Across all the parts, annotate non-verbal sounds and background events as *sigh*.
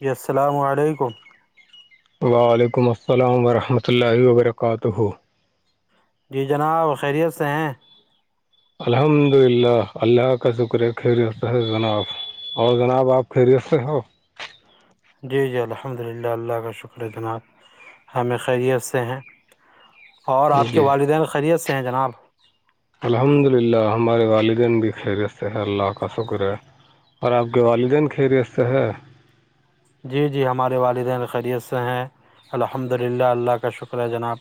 جی السلام علیکم وعلیکم السلام ورحمۃ اللہ وبرکاتہ جی جناب خیریت سے ہیں الحمد للہ اللہ کا شکر ہے خریت جناف اور جناب آپ خیریت سے ہو جی جی الحمد للہ اللہ کا شکر جناب ہمیں خیریت سے ہیں اور آپ کے جی والدین خیریت سے ہیں جناب الحمد للہ ہمارے والدین بھی خیرست ہیں اللہ کا شکر ہے اور آپ کے والدین خیریت سے ہے جی جی ہمارے والدین خیریت سے ہیں الحمد للہ اللہ کا شکر ہے جناب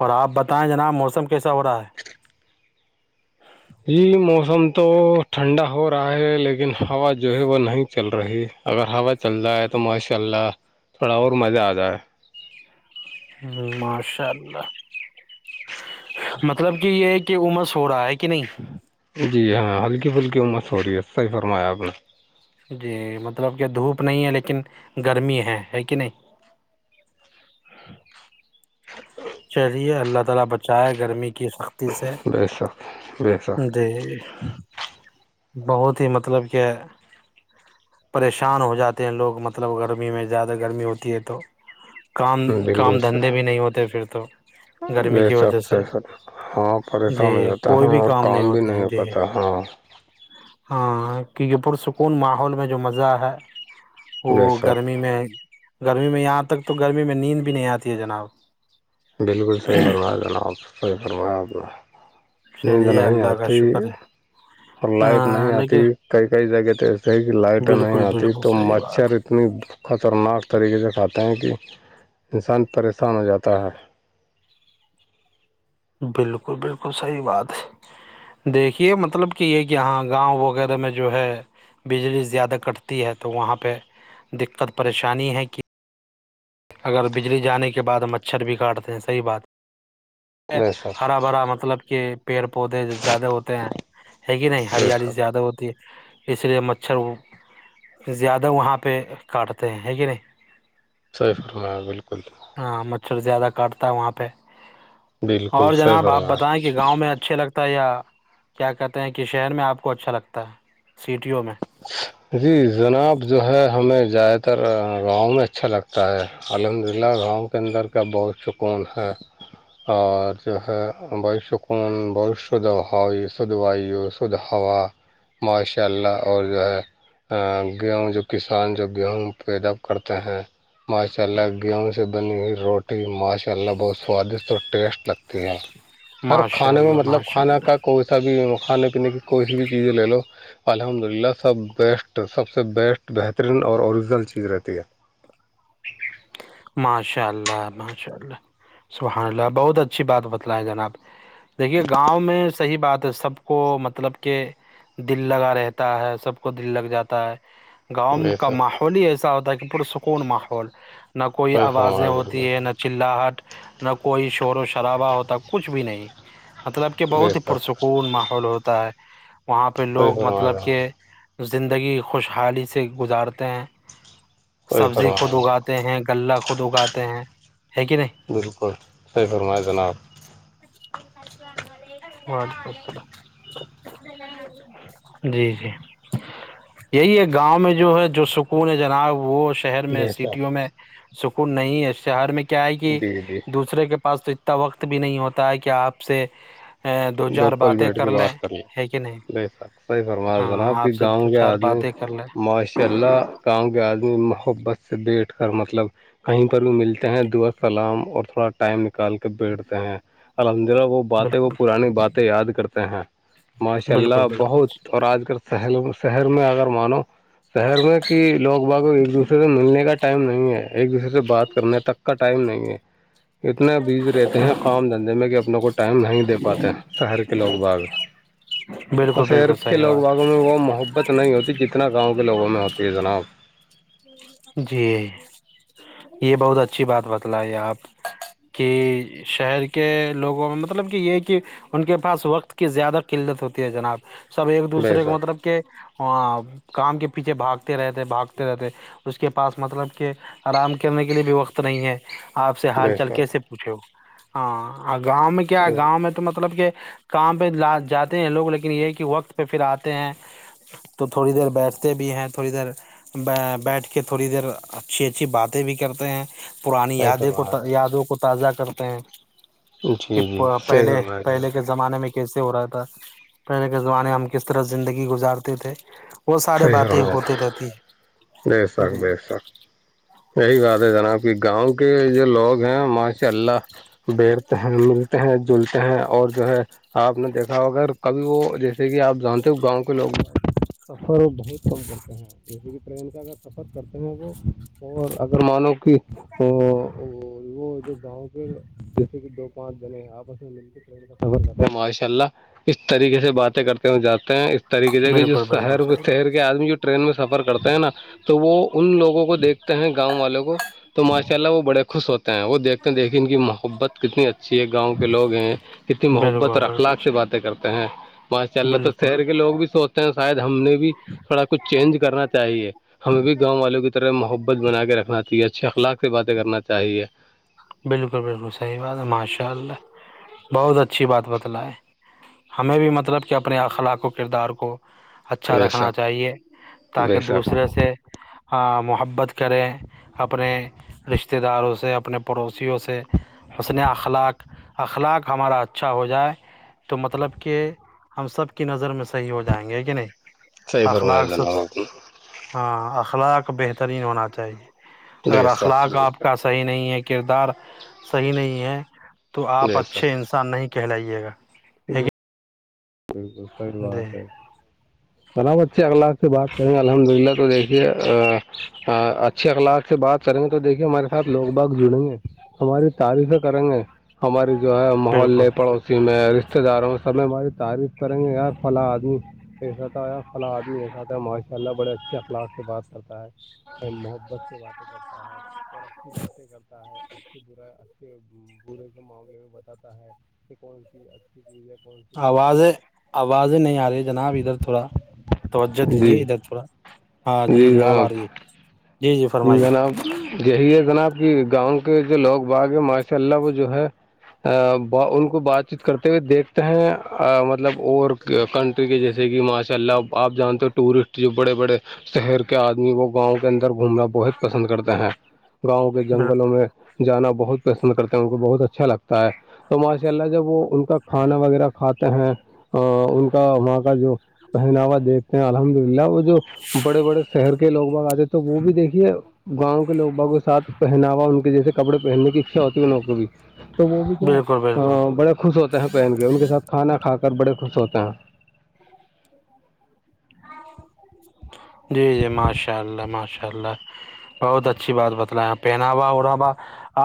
اور آپ بتائیں جناب موسم کیسا ہو رہا ہے یہی موسم تو ٹھنڈا ہو رہا ہے لیکن ہوا جو ہے وہ نہیں چل رہی اگر ہوا چلتا ہے تو ماشاء اللہ تھوڑا اور مزہ آتا ہے ماشاء اللہ مطلب کہ یہ ہے کہ عمس س ہو رہا ہے کہ نہیں جی ہاں ہلکی پھلکی عمت ہو رہی ہے صحی فرمایا آپ نے جی مطلب کہ دھوپ نہیں ہے لیکن گرمی ہے ہے کہ نہیں ہ *unintelligible* *unintelligible* ج بے شک بے شک بہت ہی مطلب کہ *unintelligible* پریشان ہو جاتے ہیں لوگ مطلب گرمی میں زیادہ گرمی ہوتی ہے تو *unintelligible* کام بالکل کام سر دھندے بھی نہیں ہوتے پھر تو بے گرمی کی شک وجہ سے صحیح فرما ہاں جی پریشان ہو جاتا ہے کوئی بھی اور کام نہیں بھی ہوتے ہیں ہو جی پاتا ہاں ہاں کی یہ پرسکون ماحول میں جو مزہ ہے وہ بے شک گرمی میں گرمی میں یہاں تک تو گرمی میں نیند بھی نہیں آتی ہے جناب بالکل صحیح فرمایا جناب آپ صحیح فرمایا آپ نے نیند چلیے نہیں اللہ کا آتی شکر ہے اور لائٹ ہاں نہیں آتی لیکن کئی کئی جگہ تو ایسے ہے کہ لائٹ نہیں بالکل آتی بالکل تو صحیح بات مچھر اتنی خطرناک طریقے سے کھاتے ہیں کہ انسان پریشان ہو جاتا ہے بالکل بالکل صحی بات ہے دیکھیے مطلب کہ یہ کہ یہاں گاؤں وغیرہ میں جو ہے بجلی زیادہ کٹتی ہے تو وہاں پہ دقت پریشانی ہے کہ اگر بجلی جانے کے بعد مچھر بھی کاٹتے ہیں صحیح بات ہے بے شک ہرا بھرا مطلب کہ پیڑ پودے زیادہ ہوتے ہیں ہے کہ نہیں بے ہریالی شک زیادہ ہوتی ہے اس لیے مچھر زیادہ وہاں پہ کاٹتے ہیں ہے کہ نہیں صحیح فرمایا بالکل ہاں مچھر زیادہ کاٹتا ہے وہاں پہ بالکل اور صحیح جناب آپ فرمایا بتائیں کہ گاؤں میں اچھے لگتا ہے یا کیا کہتے ہیں کہ شہر میں آپ کو اچھا لگتا ہے سٹیوں میں جی جناب جو ہے ہمیں زیادہ تر گاؤں میں اچھا لگتا ہوتا ہے الحمدللہ گاؤں کے اندر کا بہت سکون ہے اور جو ہے بھائی سکون بہت شد ہوا اور شد وائی شدد ہوا ماشاء اللہ اور جو ہے گیہوں جو کسان جو گیہوں پیدا کرتے ہیں ماشاء اللہ گیہوں سے بنی ہوئی روٹی ماشاء اللہ بہت سوادشٹ اور ٹیسٹ لگتی ہے ہر ماشاء کھانے میں اللہ مطلب ماشاء اللہ کھانا کا کو ابھی کھانے پینے کی کوئی بھی چیزیں لو الحمد اللہ سب بیسٹ سب سے بیسٹ بہترین اوریجنل چیز رہتی ہے ماشاء اللہ ماشاء اللہ سبحان اللہ بہت اچھی بات بتلائے جناب دیکھیے گاؤں میں صحیح بات ہے سب کو مطلب کہ دل لگا رہتا ہے سب کو دل لگ جاتا ہے ہے گاؤں بے کا شک ماحول ہی ایسا ہوتا ہے کہ پرسکون ماحول نہ کوئی صحیح آوازیں فرمایا ہوتی بالکل ہے نہ نہ چلااہٹ نہ کوئی شور و شرابا ہوتا کچھ بھی نہیں مطلب کہ بے بہت ہی شک پرسکون ماحول ہوتا ہے وہاں پہ صحیح لوگ فرمایا مطلب کہ جناب زندگی خوشحالی سے گزارتے ہیں صحیح سبزی فرمایا خود اگاتے ہیں غلہ خود اگاتے ہیں ہے کہ نہیں بالکل صحیح فرما جناب *unintelligible* جی جی یہی ہے گاؤں میں جو ہے جو سکون ہے جناب وہ شہر میں بے سٹیوں شک میں سکون نہیں ہے شہر میں کیا ہے کہ جی جی دوسرے کے پاس تو اتنا وقت بھی نہیں ہوتا ہے کہ آپ سے دو چار پل باتیں بیٹھ کے لیں بات کر لیا ہے کہ نہیں ب س صحیح فرما جناب ہاں کہ آپ سے دو گاؤں کے چار آدمی باتیں کر لیں ماشاء اللہ گاؤں کے آدمی محبت سے بیٹھ کر مطلب کہیی پر بھی ملتے ہیں دعا سلام اور تھوڑا ٹائم نکال کے بیٹھتے ہیں الحمد للہ وہ باتیں وہ بالکل پرانی باتیں یاد کرتے ہیں ماشاء بالکل اللہ بالکل بہت اور آج کل شہر میں اگر مانو شہر میں کہ لوگ باگ ایک دوسرے سے ملنے کا ٹائم نہیں ہے ایک دوسرے سے بات کرنے تک کا ٹائم نہیں ہے اتنے بزی رہتے ہیں کام دھندے میں کہ اپنے کو ٹائم نہیں دے پاتے ہیں شہر کے لوگ باغ بالکل اور شہر بالکل کے صحیح لوگ بات باغوں میں وہ محبت نہیں ہوتی کتنا گاؤں کے لوگوں میں ہوتی ہے جناب ج یہ بہت اچھی بات بتلاے آپ کہ شہر کے لوگوں میں مطلب کہ یہ کہ ان کے پاس وقت کی زیادہ قلت ہوتی ہے جناب سب ایک بے دوسرے کو شک مطلب کہ ہ کام کے پیچھے بھاگتے رہتے بھاگتے رہتے اس کے پاس مطلب کہ آرام کرنے کے لیے بھی وقت نہیں ہے آپ سے حال بے چال شک کیسے پوچھےو ہاں گاؤں میں کیا کیا گاؤں میں تو مطلب کہ کام پہ لا جاتے ہیں لوگ لیکن یہ ہے کہ وقت پہ پھر آتے ہیں تو تھوڑی دیر بیٹھتے بھی ہیں تھوڑی دیر بیٹھ کے تھوڑی دیر اچھی اچھی بات بھی کرتے ہیں پرانی صحیح یادیں کو فرمایا جناب یادوں کو تازہ کرتے ہیں کہ جی جی صحیح پہلے فرمایا جناب پہلے کے زمانے میں کیسے ہو رہا تھا پہلے کے زمانے ہم کس طرح زندگی گزارتے تھے وہ سارے صحیح باتیں فرمایا ہوتی جناب، رہتی بے ہیں شک جی بے شک یہی بات ہے جناب کی گاؤں کے جو لوگ ہیں ماشاء اللہ بیٹھتے ہیں ملتے ہیں جلتے ہیں اور جو ہے آپ نے دیکھا اگر کبھی وہ جیسے کہ آپ جانتے ہو گاؤں کے لوگ سفر بہت فون کرتے ہیں جیسے کہ ٹرین کا اگر سفر کرتے ہیں وہ اور اگر مانو کہ ا وہ جو گاؤں کے جیسے کہ دو پانچ جنے آپس میں ر ماشاء اللہ اس طریقے سے باتیں کرتے ہیں جاتے ہیں اس طریقے سے کہ جو بالکل بالکل شہر صحیح شہر آدمی جو ٹرین میں سفر کرتے ہیں نا تو وہ ان لوگوں کو دیکھتے ہیں گاؤں والوں کو تو ماشاء اللہ وہ بڑے خوش ہوتے ہیں وہ دیکھتے ہیں دیکھے ان کی محبت کتنی اچھی ہے گاؤں کے لوگ ہیں کتنی محبت اور بالکل بالکل اخلاق سے صحیح باتیں کرتے ہیں ماشاء اللہ تو بالکل شہر کے لوگ بھی سوچ شاید ہم نے بھی تھوڑا کچھ چینج کرنا چاہیے ہمیں بھی گاؤں والوں کی طرح محبت بنا کے رکھنا چاہیے اچھے اخلاق سے باتیں کرنا چاہیے بالکل بالکل صحیح بات ہے ماشاء اللہ بہت اچھی بات بتل ہے ہمیں بھی مطلب کہ اپنے اخلاق و کردار کو اچھا بے رکھنا شک چاہیے بے تاکہ شک دوسرے سے ہاں محبت کریں اپنے رشتے داروں سے اپنے پڑوسیوں سے حن اخلاق اخلاق ہمارا اچھا ہو جائے تو مطلب کہ ہم سب کی نظر میں صحیح ہو جائے جائیں گے کہ نہیں صحیح فرمایا اخلاق سب جناب سے آپ نے ہاں اخلاق بہترین ہونا چاہیے اگر بے شک اخلاق بے آپ کا شک صحیح نہیں ہے کردار صحیح نہیں ہے تو آپ بے شک اچھے انسان نہیں کہلائیے گا ہے بالکل سی کہ جی بات ہے تناب بچے اگلا سے بات کریں گے الحمد للہ تو دیکھیے ہاں اچھے اخلاق سے بات کریں گے تو دیکھیے ہمارے ساتھ لوگ بگ جڑیں گے ہماری تعریفیں کریں گے ہماری جو ہے ماحول لے بالکل پڑو ک میں رشتتے داروں سب ہماری تعریف کریں گے یار فلاں آدمی ایساتا فلا آدمی ایساتا ہے ماشا اللہ بڑے اچھا اخلاق سے بات کرتا ہے محبت سے باتیں کرتا ہے اور اچھی باتیں کرتا ہے اچھی برا اچھے برے سے معاملے میں بتاتا ہے کہ کون سی اچھی چیز ہے کون سی غلط از ہے آوازیں نہیں آ رہی جناب ادھر تھوڑا توجہ دیجے جی ادھر تھوڑا ہاں جی جی آپ آ رہی ہے جی جناب یہی ہے جناب کہ گاؤں کے جو لوگ باغ ہے ماشاء اللہ وہ جو ہے ان کو بات چیت کرتے ہوئے دیکھتے ہیں مطلب اور کنٹری کے جیسے کہ ماشاء اللہ آپ جانتے ہو ٹورسٹ جو بڑے بڑے شہر کے آدمی گاؤں کے اندر گھومنا بہت پسند کرتے ہیں گاؤں کے بالکل جنگلوں میں جانا بہت پسند کرتے ہیں ان کو بہت اچھا لگتا ہے تو ماشاء اللہ جب وہ ان کا کھانا وغیرہ کھاتے ہیں ان کا وہاں کا جو پہناوا دیکھتے ہیں الحمد للہ وہ جو بڑے بڑے شہر کے لوگ بگ آتے تھ تو وہ بھی دیکھ گاؤں کے لوگ بوں کے ساتھ پہناوا ان کے جیسے کپڑے پہننے کی اچھا ہوتی ہے نو بھی تو وہ بھی کیا بالکل بالکل بڑے خوش ہوتے ہیں پہن کے ان کے ساتھ کھانا کھا کر بڑے خوش ہوتے ہیں *inaudible* جی جی ماشاء اللہ ماشاء اللہ بہت اچھی بات بتلا پہناوا ہو رہا با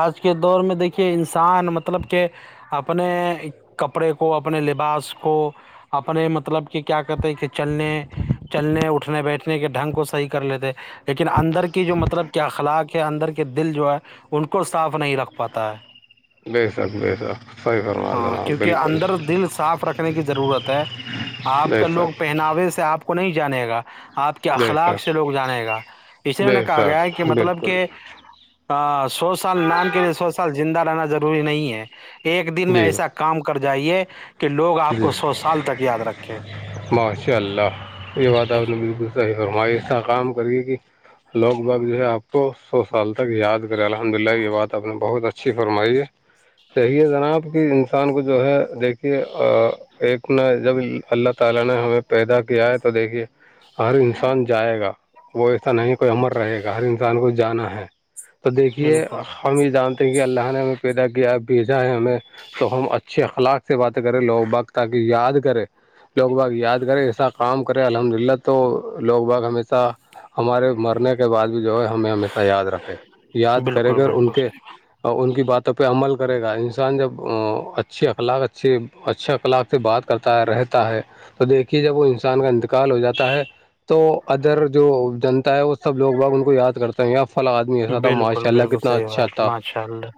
آج کے دور میں دیکھیے انسان مطلب کہ اپنے کپڑے کو اپنے لباس کو اپنے مطلب کہ کیا کہتے ہیں کہ چلنے چلنے اٹھنے بیٹھنے کے ڈھنگ کو صحیح کر لیتے لیکن اندر کی جو مطلب کیا اخلاق کے اندر کے دل جو ہے ان کو صاف نہیں رکھ پاتا ہے بے شک بے شک صحیح فرما ہاں جناب کیونکہ بالکل اندر دل صاف رکھنے کی ضرورت ہے آپ بے کا لوگ شک پہناوے سے آپ کو نہیں جانے گا آپ کے بے اخلاق سے شک لوگ جانے گا اس لیے نہ بے کہا شک گیا کہ مطلب بالکل کہ سو سال نام کے لیے سو سال زندہ رہنا ضروری نہیں ہے ایک دن میں جی ایسا کام کر جائیے کہ لوگ آپ جی کو سو سال تک یاد رکھیں ماشاء اللہ یہ بات آپ نے بالکل صحیح فرمائی اس س کام کری کہ لوگ باگ جو ہے آپ کو سو سال تک یاد کرے الحمد للہ یہ بات آپ نے بہت اچھی فرمائی ہے صیے جناب کہ انسان کو جو ہے دیکھیے ایک نہ جب اللہ تعالی نے ہمیں پیدا کیا ہے تو دیکھیے ہر انسان جائے گا وہ ایسا نہیں کوئی امر رہے گا ہر انسان کو جانا ہے تو دیکھیے بالکل ہم یہ جانتے ہیں کہ اللہ نے ہمیں پیدا کیا ہے بھیجا ہے ہمیں تو ہم اچھے اخلاق سے بات کرے لوگ بگ تاکہ یاد کرے لوگ بگ یاد کرے ایسا کام کرے الحمد للہ تو تو لوگ باگ ہمیشہ ہمارے مرنے کے بعد بھی جو ہے ہمیں ہمیشہ یاد رکھے یاد کرے بالکل گ ان بالکل کے صحیح اور ان کی باتوں پہ عمل کرے گا انسان جب اچھی اخلاق ا ا سے اچھا کلاق سے بات کرتا ہے رہتے ہے تو دیکھیے جب وہ انسان کا انتقال ہو جاتا ہے تو ادر جو جنتا ہے وہ سب لوگ باگ ان کو یاد کرتے ہیں یا فلاں آدمی ایسا تھا ماشاء بالکل اللہ بالکل کتنا اچھا صحیح تھا ماشاء اللہ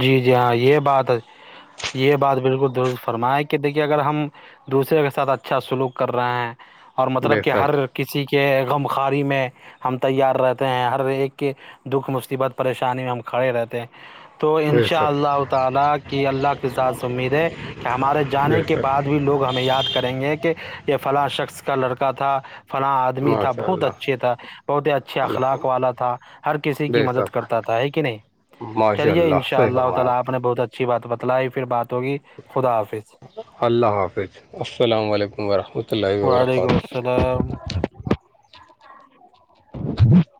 جی جی ہاں یہ بات یہ بات بالکل درست فرمائے کہ دیکھیے اگر ہم دوسرے کے ساتھ اچھا سلوک کر رہے ہیں اور بے مطلب کہ شک ہر کسی کے غمخاری میں ہم تیار رہتے ہیں ہر ایک کے دکھ مصیبت پریشانی میں ہم کھڑے رہتے ہیں تو ان بے شاء شک اللہ تعالی کی اللہ کی ساز امید ہے کہ ہمارے بے جانے کے بعد شک بھی لوگ ہمیں یاد کریں گے کہ یہ فلاں شخص کا لڑکا تھا فلاں آدمی تھا ماشاء بہت اللہ اچھے تھا بہت ہی اچھا اللہ اخلاق والا تھا ہر کسی کی بے مدد شک کرتا تھا ہے کہ نہیں چلیے ان شاء اللہ تعالی آپ نے بہت اچھی بات بتلائی پھر بات ہوگی خدا حافظ اللہ حافظ السلام علیکم وورحمۃہ اللہ و برکاتہ سلام ہ *inaudible*